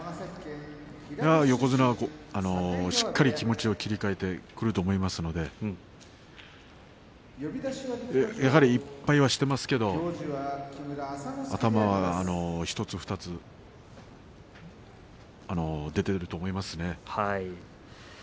横綱はしっかり気持ちを切り替えてくると思いますのでやはり１敗はしていますけれども頭１つ２つ出ていると思います。